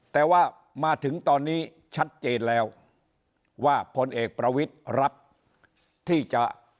แต่ว่ามาถึงตอนนี้ชัดเจนแล้วว่าพลเอกประวิทย์รับที่จะ